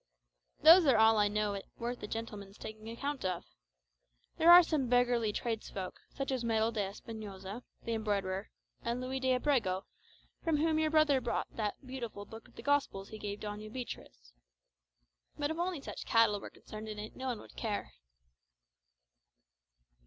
Those are all I know worth a gentleman's taking account of. There are some beggarly tradesfolk, such as Medel d'Espinosa, the embroiderer; and Luis d'Abrego, from whom your brother bought that beautiful book of the Gospels he gave Doña Beatriz. But if only such cattle were concerned in it, no one would care."